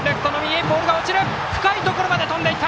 深いところまで飛んでいった！